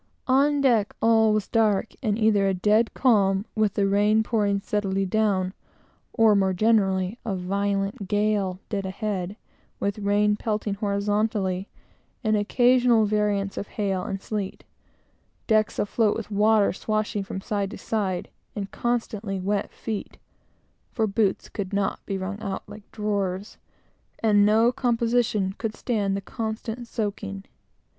On deck, all was as dark as a pocket, and either a dead calm, with the rain pouring steadily down, or, more generally, a violent gale dead ahead, with rain pelting horizontally, and occasional variations of hail and sleet; decks afloat with water swashing from side to side, and constantly wet feet; for boots could not be wrung out like drawers, and no composition could stand the constant soaking.